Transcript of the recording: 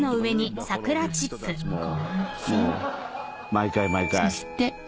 毎回毎回。